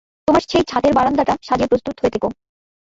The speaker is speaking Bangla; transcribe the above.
তোমার সেই ছাতের বারান্দাটা সাজিয়ে প্রস্তুত হয়ে থেকো।